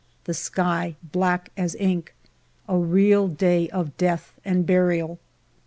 The sky black as ink. A real day of death and burial.